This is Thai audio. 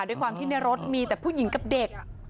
ด้วยความที่ในรถมีแต่ผู้หญิงกับเด็ก